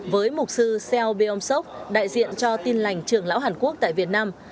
với mục sư seo byung suk đại diện cho tin lành trường lão hàn quốc tại việt nam